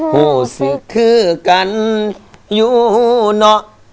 รู้สึกคือกันอยู่เนาะ